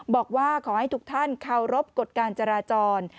บอกว่าขอให้ทุกท่านเคารพกฎการจราจร